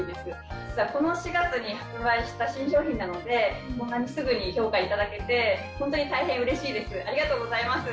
実はこの４月に発売した新商品なので、こんなにすぐに評価いただけて、本当に大変うれしいです。